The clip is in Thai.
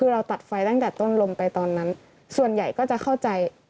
คือเราตัดไฟตั้งแต่ต้นลมไปตอนนั้นส่วนใหญ่ก็จะเข้าใจ